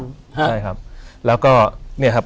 ใช่ครับแล้วก็เนี่ยครับ